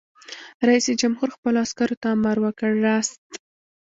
رئیس جمهور خپلو عسکرو ته امر وکړ؛ راست!